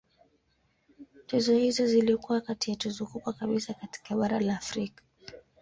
Tuzo hizo zilikuwa kati ya tuzo kubwa kabisa katika bara la Afrika.